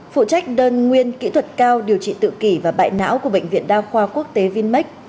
phụ trách đơn nguyên kỹ thuật cao điều trị tự kỷ và bại não của bệnh viện đa khoa quốc tế vinmec